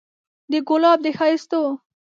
د ګلاب د ښايستو